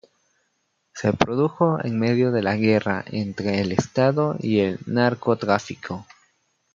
Se produjo en medio de la guerra entre el Estado y el narcotráfico.